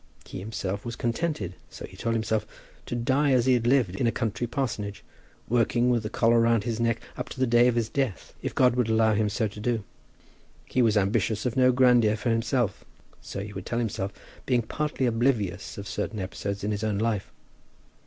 He himself was contented, so he told himself, to die as he had lived in a country parsonage, working with the collar round his neck up to the day of his death, if God would allow him so to do. He was ambitious of no grandeur for himself. So he would tell himself, being partly oblivious of certain episodes in his own life.